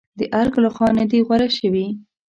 د ارګ لخوا نه دي غوره شوې.